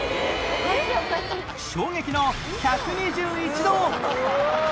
衝撃の１２１度！